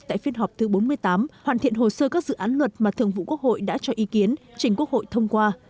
tại phiên họp thứ bốn mươi tám hoàn thiện hồ sơ các dự án luật mà thường vụ quốc hội đã cho ý kiến trình quốc hội thông qua